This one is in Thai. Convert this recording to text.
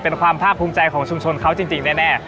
เป็นความภาคภูมิใจของชุมชนเขาจริงแน่